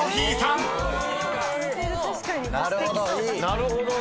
なるほど。